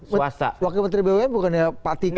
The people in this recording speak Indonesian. swasta wakil menteri bumn bukan ya pak tiko